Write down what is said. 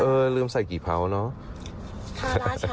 เออลืมใส่กี่เท่าเนาะ